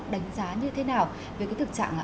đánh giá như thế nào về thực trạng